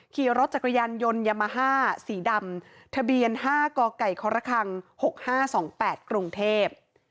ขี่รถจักรยานยนต์ยามาฮ่าสีดำทะเบียน๕กไก่ครค๖๕๒๘กรุงเทพ